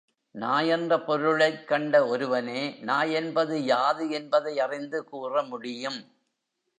நாய் என்ற பொருளைக் கண்ட ஒருவனே, நாய் என்பது யாது என்பதை அறிந்து கூற முடியும்.